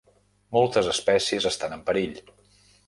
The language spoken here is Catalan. Moltes espècies estan en perill.